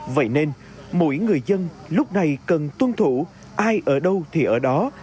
vậy nên mỗi người dân lúc này cần tuân thủ ai ở đâu thì ở đó